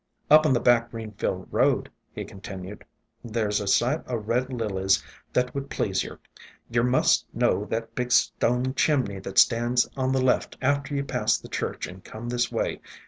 "Up on the back Greenfield road," he continued, "there 's a sight o' Red Lilies that would please yer. Yer must know that big stone chimney that stands on the left after you pass the church and come this way.